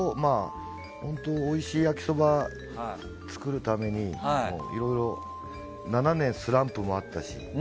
本当、おいしい焼きそば作るために７年、スランプもあったし。